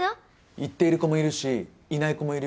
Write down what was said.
行っている子もいるしいない子もいるよ。